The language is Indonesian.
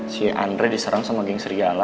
si andre diserang sama geng serialla